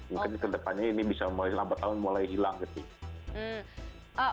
mungkin ke depannya ini bisa mulai selama empat tahun mulai hilang gitu